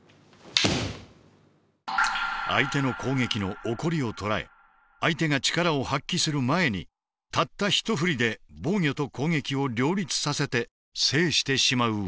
相手の攻撃の「起こり」を捉え相手が力を発揮する前にたった一振りで防御と攻撃を両立させて制してしまう技。